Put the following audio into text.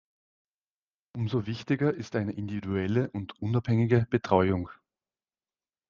Umso wichtiger ist eine individuelle und unabhängige Betreuung.